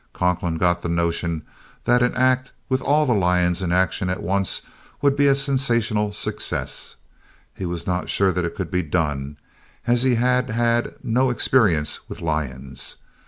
Conklin got the notion that an act with all the lions in action at once would be a sensational success. He was not sure that it could be done, as he had had no experience with lions.